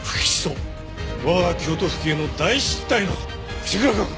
我が京都府警の大失態だぞ藤倉くん！